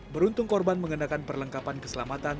beruntung korban mengenakan perlengkapan keselamatan